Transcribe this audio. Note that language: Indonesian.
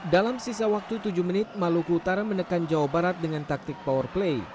dalam sisa waktu tujuh menit maluku utara menekan jawa barat dengan taktik power play